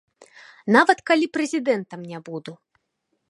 Нават калі прэзідэнтам не буду.